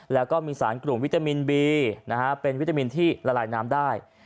แล้วก็มีสารกลุ่มวิตามินบีเป็นวิตามินที่ละลายน้ำได้